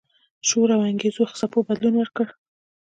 شعور او انګیزو څپو بدلون ورکړ.